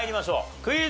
クイズ。